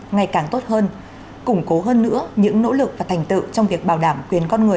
ngày càng tốt hơn củng cố hơn nữa những nỗ lực và thành tựu trong việc bảo đảm quyền con người